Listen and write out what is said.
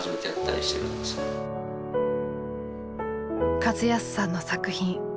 和康さんの作品。